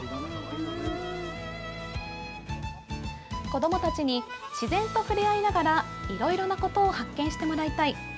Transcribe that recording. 子どもたちに自然と触れ合いながら、いろいろなことを発見してもらいたい。